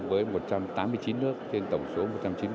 với một trăm tám mươi chín nước trên tổng số quốc tế